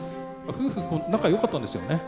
夫婦仲よかったんですよね？